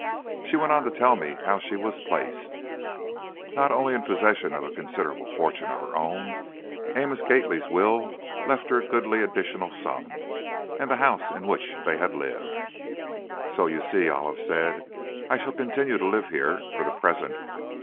She went on to tell me how she was placed: Not only in possession of a considerable fortune of her own, Amos Gately's will left her a goodly additional sum, and also the house in which they had lived. "So you see," Olive said, "I shall continue to live here, for the present.